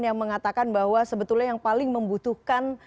yang paling membutuhkan